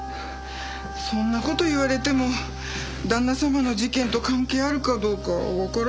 そんな事言われても旦那様の事件と関係あるかどうかわからないし。